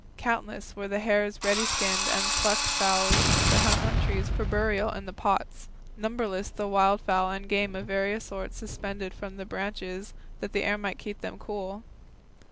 Countless were the hares ready skinned and the plucked fowls that hung on the trees for burial in the pots, numberless the wildfowl and game of various sorts suspended from the branches that the air might keep them cool.